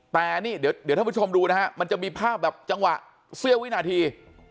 แต่นี่เดี๋ยวท่านผู้ชมดูนะฮะมันจะมีภาพแบบจังหวะเสี้ยววินาที